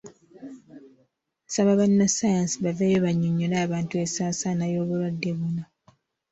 Nsaba bannassaayansi baveeyo bannyonnyole abantu ensaasaana y’obulwadde buno.